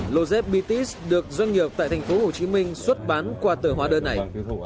lô dép bts được doanh nghiệp tại thành phố hồ chí minh xuất bán qua tờ hóa đơn này